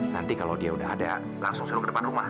nanti kalau dia udah ada langsung suruh ke depan rumah